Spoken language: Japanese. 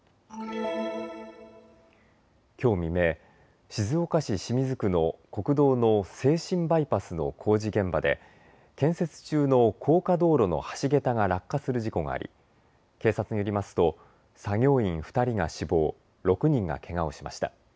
きょう未明、静岡市清水区の国道の静清バイパスの工事現場で建設中の高架道路の橋桁が落下する事故があり警察によりますと作業員２人が死亡、６人がけがをしました。